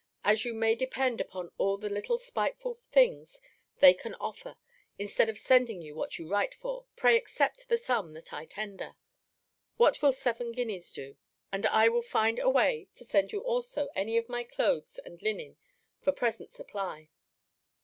As you may depend upon all the little spiteful things they can offer, instead of sending what you write for, pray accept the sum that I tender. What will seven guineas do? And I will find a way to send you also any of my clothes and linen for present supply.